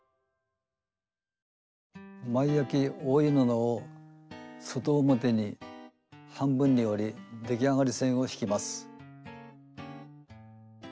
前あき覆い布を外表に半分に折り出来上がり線を引きます。